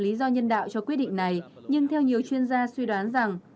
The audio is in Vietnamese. lý do nhân đạo cho quyết định này nhưng theo nhiều chuyên gia suy đoán rằng